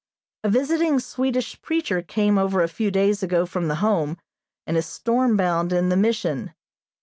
A visiting Swedish preacher came over a few days ago from the Home, and is storm bound in the Mission.